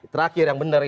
terakhir yang benar ini